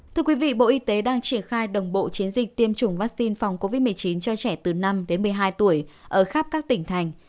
thưa quý vị bộ y tế đang triển khai đồng bộ chiến dịch tiêm chủng vaccine phòng covid một mươi chín cho trẻ từ năm đến một mươi hai tuổi ở khắp các tỉnh thành